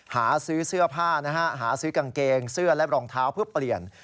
หาซื้อเสื้อผ้านะฮะหาซื้อกางเกงเสื้อและรองเท้าเพื่อเปลี่ยน